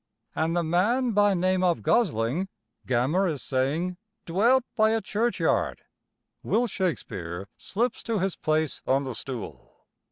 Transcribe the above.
"An' the man, by name of Gosling," Gammer is saying, "dwelt by a churchyard " Will Shakespeare slips to his place on the stool.